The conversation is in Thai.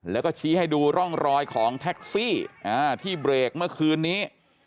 แล้วก็ชี้ให้ดูร่องรอยของแท็กซี่ที่เบรกเมื่อคืนนี้